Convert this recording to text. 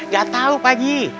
gak tau pak ji